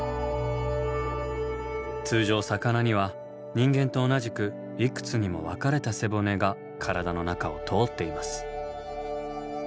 通常魚には人間と同じくいくつにも分かれた背骨が体の中を通っています。